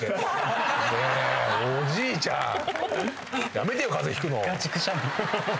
やめてよ風邪ひくの。